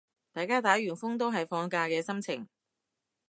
大家打完風都係放假嘅心情